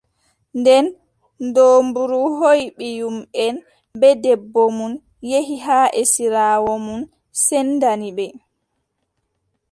Nden doombru hooʼi ɓiyumʼen bee debbo mum, yehi haa esiraawo mum, sendani ɓe.